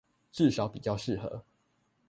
至少比較適合